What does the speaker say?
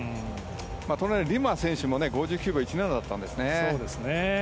リマ選手も５９秒１７だったんですね。